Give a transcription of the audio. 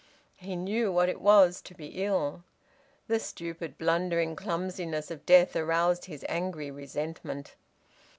He knew what it was to be ill. The stupid, blundering clumsiness of death aroused his angry resentment.